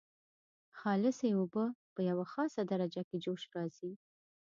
خالصې اوبه په یوه خاصه درجه کې جوش راځي.